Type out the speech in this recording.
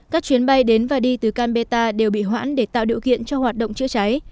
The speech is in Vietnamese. các chuyến bay đến và đi từ canberra đều bị hoãn để tạo điều kiện cho hoạt động chữa cháy